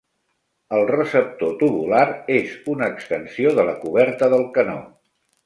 El receptor tubular és una extensió de la coberta del canó.